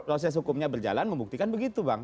proses hukumnya berjalan membuktikan begitu bang